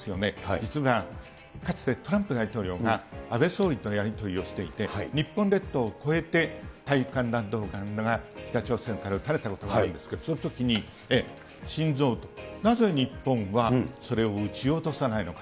実はかつてトランプ大統領が安倍総理とやり取りをしていて、日本列島を越えて大陸間弾道弾が北朝鮮から撃たれたことがあるんですけれども、そのときに、晋三、なぜ日本はそれを撃ち落とさないのか。